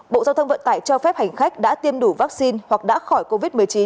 bộ giao thông vận tải cho phép hành khách đã tiêm đủ vaccine hoặc đã khỏi covid một mươi chín